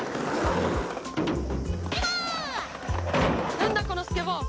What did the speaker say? なんだこのスケボー！？